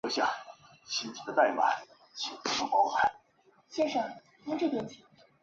别克最开始是个独立的汽车制造商。